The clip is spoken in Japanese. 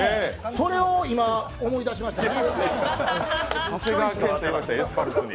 それを今、思い出しましたね。